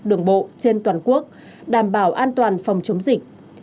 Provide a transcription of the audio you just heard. đường bộ trên toàn quốc đảm bảo an toàn phòng chống dịch